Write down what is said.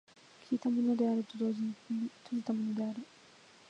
開いたものであると同時に閉じたものである。